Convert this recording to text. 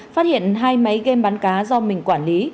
phát hiện hai máy game bắn cá do mình quản lý